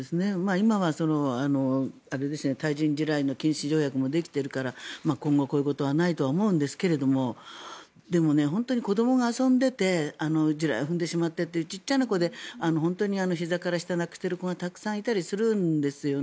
今は対人地雷の禁止条約もできているから今後、こういうことはないと思うんですが本当に子どもが遊んでいて地雷を踏んでしまってっていう小さい子でひざから下をなくしている子がたくさんいたりするんですよね。